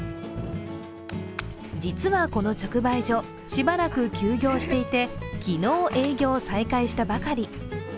実はこの直売所、しばらく休業していて昨日営業再開したばかり。